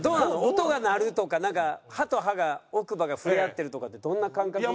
音が鳴るとかなんか歯と歯が奥歯が触れ合ってるとかってどんな感覚なの？